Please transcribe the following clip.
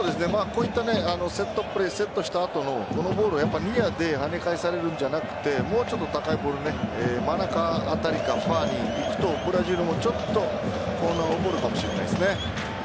こうしたセットプレーボールをニアで跳ね返されるんじゃなくてもうちょっと高いボール真ん中辺りからファーにいくとブラジルもちょっとオウンゴールかもしれないですね。